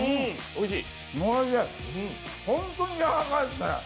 おいしい。